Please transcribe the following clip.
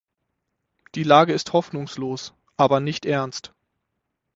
Die Lage ist hoffnungslos, aber nicht ernst.